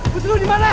putri lu di mana